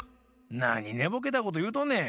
なにねぼけたこというとんねん。